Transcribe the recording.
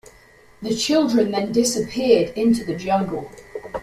The children then disappeared into the jungle.